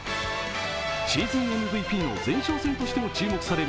シーズンＭＶＰの前哨戦としても注目される